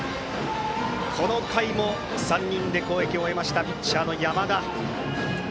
この回も３人で攻撃を終えましたピッチャーの山田。